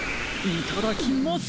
いただきます！